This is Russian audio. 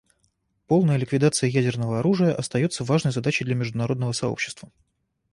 Полная ликвидация ядерного оружия остается важной задачей для международного сообщества.